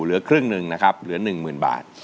เหลือครึ่งหนึ่งนะครับเหลือหนึ่งหมื่นบาท